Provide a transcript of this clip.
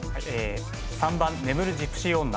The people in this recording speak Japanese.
３番眠るジプシー女。